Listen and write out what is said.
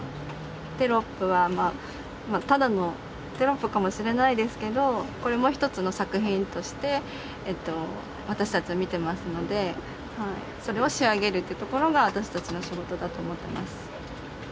テロップはまあただのテロップかもしれないですけどこれも一つの作品として私たちは見てますのでそれを仕上げるってところが私たちの仕事だと思ってます。